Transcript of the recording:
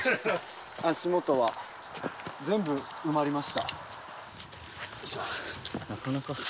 足元は全部埋まりました。